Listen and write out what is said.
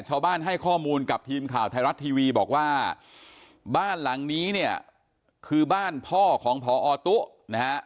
ชาวบ้านให้ข้อมูลกับทีมข่าวไทยรัฐทีวีบอกว่าบ้านหลังนี้เนี่ยคือบ้านพ่อของพอตุ๊นะฮะ